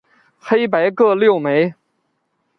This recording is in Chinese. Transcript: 黑白各六枚。